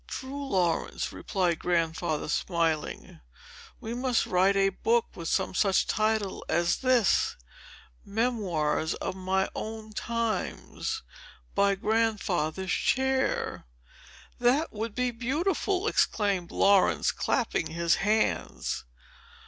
"True, Laurence," replied Grandfather, smiling, "We must write a book, with some such title as this,—MEMOIRS OF MY OWN TIMES, BY GRANDFATHER'S CHAIR." "That would be beautiful!" exclaimed Laurence, clapping his hands.